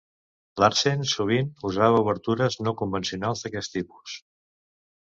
Larsen sovint usava obertures no convencionals d'aquest tipus.